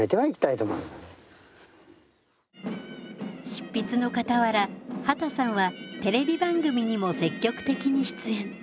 執筆のかたわら畑さんはテレビ番組にも積極的に出演。